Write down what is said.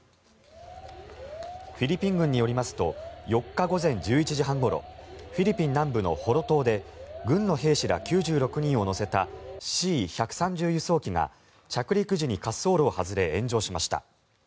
フィリピン軍によりますと４日午前１１時半ごろフィリピン南部のホロ島で軍の兵士ら９６人を乗せたＣ１３０輸送機が着陸時に滑走路を外れて炎上しました。